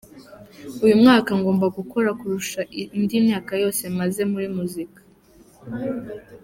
Uyu mwaka ngomba gukora kurusha indi myaka yose maze muri muzika.